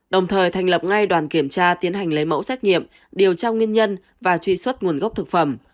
đồng thời thành lập ngay đoàn kiểm tra tiến hành lấy mẫu xét nghiệm điều tra nguyên nhân và truy xuất nguồn gốc thực phẩm